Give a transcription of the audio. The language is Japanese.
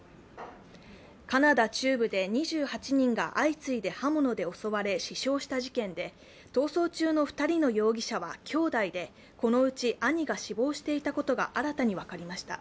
カナダ中部で２８人が相次いで刃物で襲われ死傷した事件で逃走中の２人の容疑者は兄弟で、このうち兄が死亡していたことが新たに分かりました。